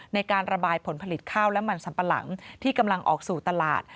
ในการระบายผลผลิตข้าวและมันสัมปะหลังที่กำลังออกสู่ตลาด